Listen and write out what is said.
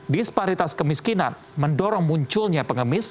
disparitas kemiskinan mendorong munculnya pengemis